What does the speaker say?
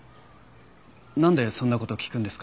なんでそんな事を聞くんですか？